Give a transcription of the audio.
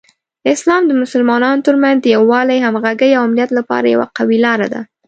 اسلام د مسلمانانو ترمنځ د یووالي، همغږۍ، او امنیت لپاره یوه قوي لاره ده.